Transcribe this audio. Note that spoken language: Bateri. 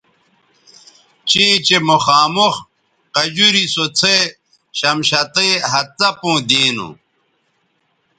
چیں چہء مخامخ قجوری سو څھے شمشتئ ھَت څپوں دینو